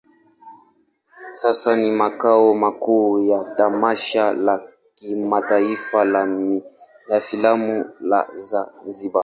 Sasa ni makao makuu ya tamasha la kimataifa la filamu la Zanzibar.